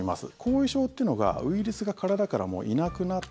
後遺症というのがウイルスが体からもういなくなった